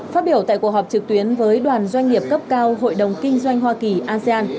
phát biểu tại cuộc họp trực tuyến với đoàn doanh nghiệp cấp cao hội đồng kinh doanh hoa kỳ asean